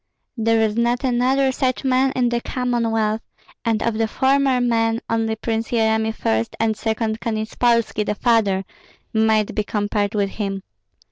There is not another such man in the Commonwealth; and of the former men only Prince Yeremi first, and second Konyetspolski, the father, might be compared with him.